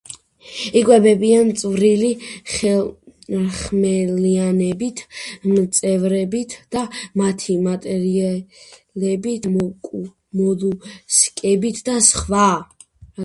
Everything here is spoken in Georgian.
იკვებებიან წვრილი ხერხემლიანებით, მწერებით და მათი მატლებით, მოლუსკებით და სხვა.